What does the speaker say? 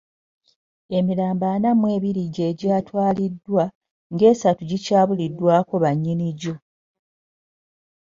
Emirambo ana mu ebiri gye gyatwaliddwa, ng'esatu gikyabuliddwako bannyini gyo.